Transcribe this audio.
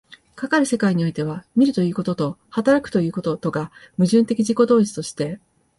かかる世界においては、見るということと働くということとが矛盾的自己同一として、